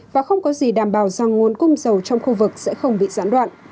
và không có gì đảm bảo rằng nguồn cung dầu trong khu vực sẽ không bị gián đoạn